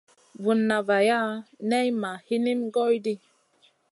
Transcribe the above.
Vunna vaya nay ma hinim goy ɗi.